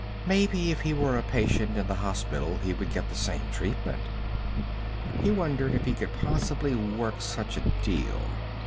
Maybe if he were a patient in the hospital he would get the same treatment. He wondered if he could possibly work such a deal.